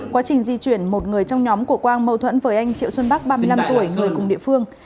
quá trình di chuyển một người trong nhóm của quang mâu thuẫn với anh triệu xuân bắc ba mươi năm tuổi người cùng địa phương